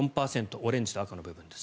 オレンジと赤の部分です。